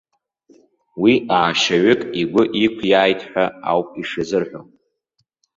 Уи аашьаҩык игәы иқәиааит ҳәа ауп ишазырҳәо.